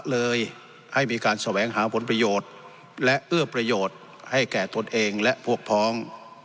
เลยให้มีการแสวงหาผลประโยชน์และเอื้อประโยชน์ให้แก่ตนเองและพวกพ้อง